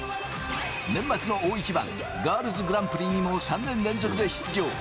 年末の大一番・ガールズグランプリにも３年連続で出場。